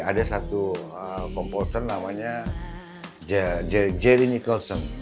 ada satu komposer namanya jerry nicolescem